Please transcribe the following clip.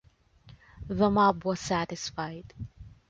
The mob was satisfied.